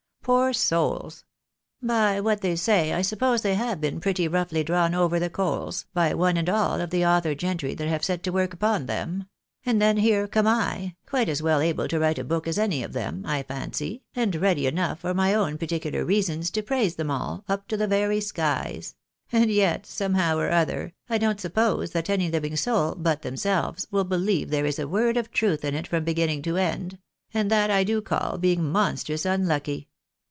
Poor souls ! By what they say I suppose they have been pretty roughly drawn over the coals, by one and all of the author gentry that have set to work upon them ; and then here come I, quite as well able to write a book as any of them, I fancy, and ready enough for my own particular reasons to praise them all, up to the very skies ; and yet, somehow or other, I don't suppose that any living soul, but themselves, will believe there is a word of truth in it from beginning to end ; and that I do call being monstrous unlucky.